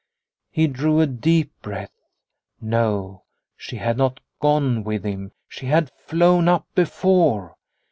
He drew a deep breath no, she had not gone with him, she had flown up before.